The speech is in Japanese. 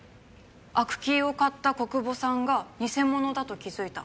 アクキーを買った小久保さんが偽物だと気づいた。